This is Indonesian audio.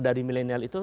dari milenial itu